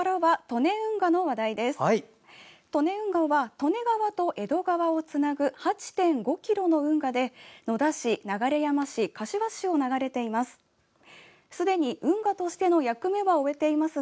利根運河は利根川と江戸川をつなぐ８．５ｋｍの運河で野田市、流山市、柏市を流れています。